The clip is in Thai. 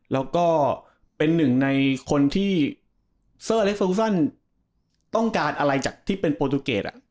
แล้วก็หนึ่งในคนที่ต้องการอะไรจากที่เป็นอะ